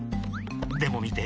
でもみて。